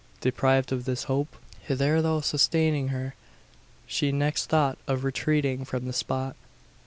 Deprived of this hope hitherto sustaining her she next thought of retreating from the spot.